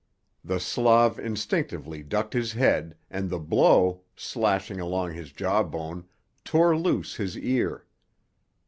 The Slav instinctively ducked his head, and the blow, slashing along his jawbone, tore loose his ear.